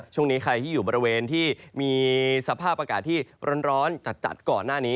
ช่วงนี้ใครที่อยู่บริเวณที่มีสภาพอากาศที่ร้อนจัดก่อนหน้านี้